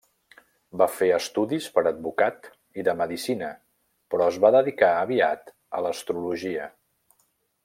Va fer estudis per advocat i de medicina, però es va dedicar aviat a l'astrologia.